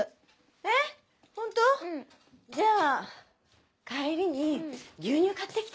えっホント？じゃあ帰りに牛乳買ってきて。